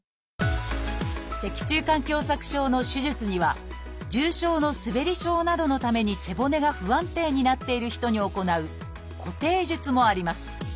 脊柱管狭窄症の手術には重症のすべり症などのために背骨が不安定になっている人に行う「固定術」もあります。